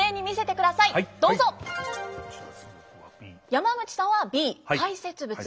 山口さんはＢ排泄物。